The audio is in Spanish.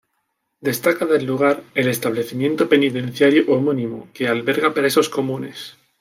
Destaca del lugar el establecimiento penitenciario homónimo, que alberga presos comunes.